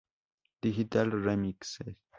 Digital remixes